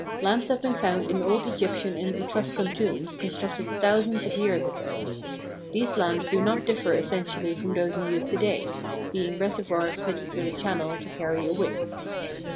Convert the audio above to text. Lamps have been found in old Egyptian and Etruscan tombs constructed thousands of years ago. These lamps do not differ essentially from those in use to day, being reservoirs fitted with a channel to carry a wick.